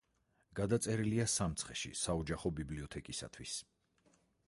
გადაწერილია სამცხეში საოჯახო ბიბლიოთეკისათვის.